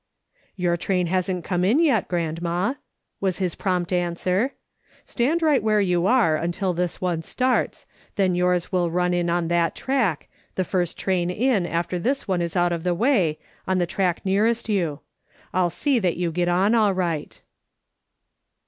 " Your train hasn't came in yet, grandma," was his prompt answer. " Stand right where you ar<j until this one starts, then yours will run in on that track, the first train in, after tliis one is out of the way, on the track nearest you. I'll see that you get on all right."